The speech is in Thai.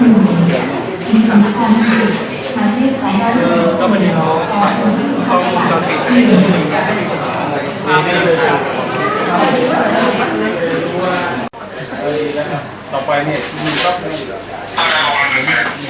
มันจะมีกล้องตัวนี้ด้วยก็ตัวนี้กับตัวนี้